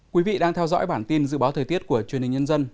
quý vị đang theo dõi bản tin dự báo thời tiết của truyền hình nhân dân